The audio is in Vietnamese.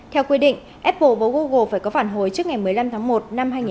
theo quy định apple và google phải có phản hồi trước ngày một mươi năm tháng một